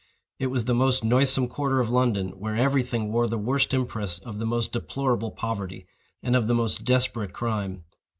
It was the most noisome quarter of London, where every thing wore the worst impress of the most deplorable poverty, and of the most desperate crime.